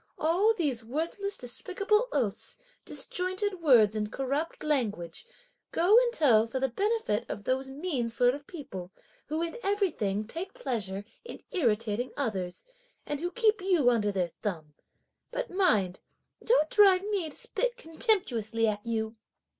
All these worthless despicable oaths, disjointed words, and corrupt language, go and tell for the benefit of those mean sort of people, who in everything take pleasure in irritating others, and who keep you under their thumb! But mind don't drive me to spit contemptuously at you."